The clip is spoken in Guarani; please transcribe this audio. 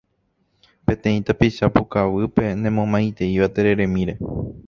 peteĩ tapicha pukavýpe nemomaiteíva tereremíre.